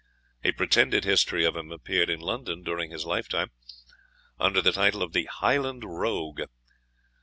A pretended history of him appeared in London during his lifetime, under the title of the Highland Rogue.